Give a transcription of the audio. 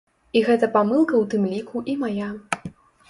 І гэта памылка ў тым ліку і мая.